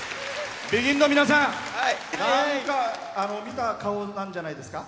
ＢＥＧＩＮの皆さん見た顔なんじゃないですか？